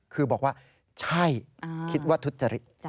คือบอกว่าใช่คิดว่าทุจริต